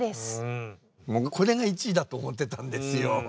僕これが１位だと思ってたんですよ。